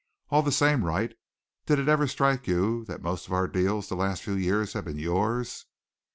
All the same, Wright, did it ever strike you that most of our deals the last few years have been yours?"